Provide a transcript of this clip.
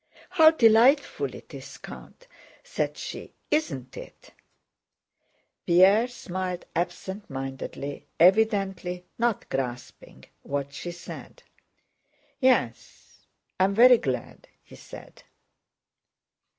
"How delightful it is, Count!" said she. "Isn't it?" Pierre smiled absent mindedly, evidently not grasping what she said. "Yes, I am very glad," he said.